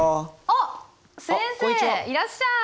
あっ先生いらっしゃい！